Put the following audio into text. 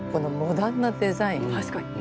確かに。